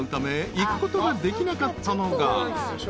行くことができなかったのが］